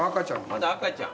まだ赤ちゃん。